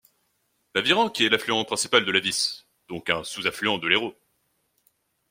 La Virenque est l'affluent principal de la Vis, donc un sous-affluent de l'Hérault.